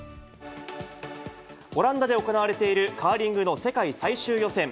オランダで行われているカーリングの世界最終予選。